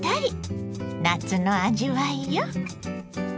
夏の味わいよ。